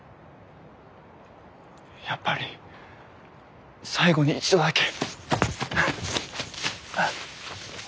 やっぱり最後に一度だけ。